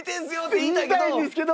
言いたいんですけど。